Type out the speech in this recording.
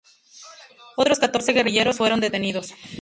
Otros catorce guerrilleros fueron detenidos.